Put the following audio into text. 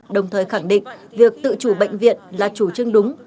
đồng thời khẳng định việc tự chủ bệnh viện là chủ trương đúng